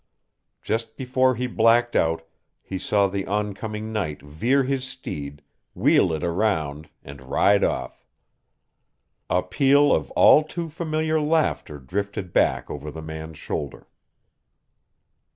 Just before he blacked out he saw the oncoming knight veer his steed, wheel it around, and ride off. A peal of all too familiar laughter drifted back over the man's shoulder.